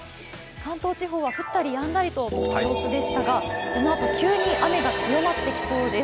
関東地方は降ったりやんだといった様子でしたが、このあと急に雨が強まってきそうです。